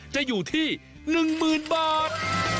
จะอยู่ที่๑หมื่นบาท